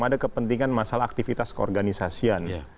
ada kepentingan masalah aktivitas keorganisasian